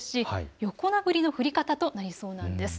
横殴りの降り方となりそうです。